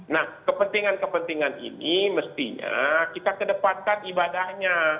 nah kepentingan kepentingan ini mestinya kita kedepankan ibadahnya